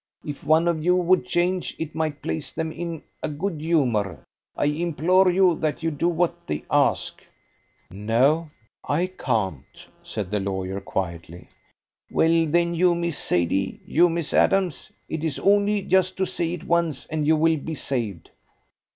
"If one of you would change, it might place them in a good humour. I implore you that you do what they ask." "No, I can't," said the lawyer quietly. "Well then, you, Miss Sadie? You, Miss Adams? It is only just to say it once, and you will be saved."